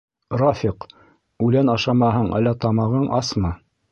— Рафиҡ, үлән ашамаһаң әллә тамағың асмы?!